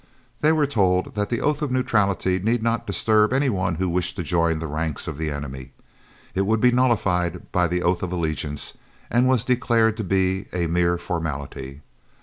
They were told that the oath of neutrality need not disturb any one who wished to join the ranks of the enemy; it would be nullified by the oath of allegiance, and was declared to be "a mere formality."